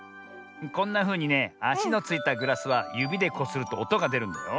こんなふうにねあしのついたグラスはゆびでこするとおとがでるんだよ。